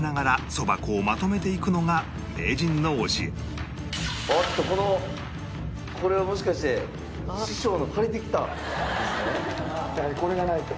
そば粉をまとめていくのが名人の教えおっとこのこれはもしかしてこれがないと。